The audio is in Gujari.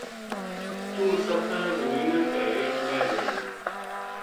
توہ سَتاں زمیناں کے ہیٹھ لہہ جائے گو‘‘